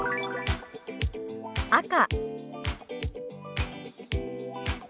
「赤」。